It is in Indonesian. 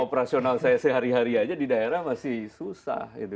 operasional saya sehari hari aja di daerah masih susah